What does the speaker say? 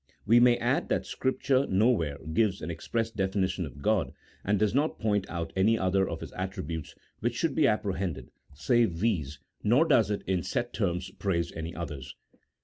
We may add that Scripture nowhere gives an express definition of God, and does not point out any other of His attributes which should be apprehended save these, nor 180 A THEOLOGICO POLITICAL TREATISE. [CHAP. XIII. does it in set terms praise any others.